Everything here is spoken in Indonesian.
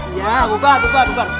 iya bubuk bubuk bubuk